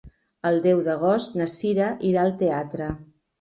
El deu d'agost na Cira irà al teatre.